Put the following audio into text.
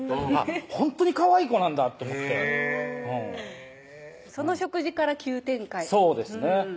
ほんとにかわいい子なんだって思ってその食事から急展開そうですね